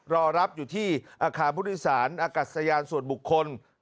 รอรับอยู่ที่อาคารพุทธศาลอากาศยานส่วนบุคคล